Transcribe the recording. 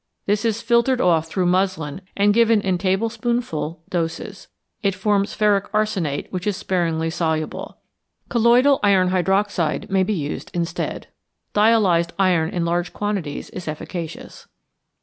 This is filtered off through muslin and given in tablespoonful doses. It forms ferric arsenate, which is sparingly soluble. Colloidal iron hydroxide may be used instead. Dialyzed iron in large quantities is efficacious.